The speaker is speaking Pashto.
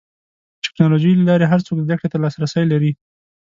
د ټکنالوجۍ له لارې هر څوک زدهکړې ته لاسرسی لري.